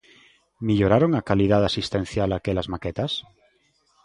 ¿Melloraron a calidade asistencial aquelas maquetas?